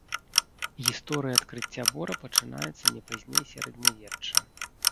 Гісторыя адкрыцця бора пачынаецца не пазней сярэднявечча.